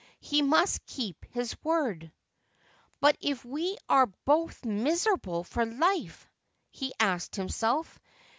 He must keep his word. ' But if we are both miserable for life ?' he asked himself.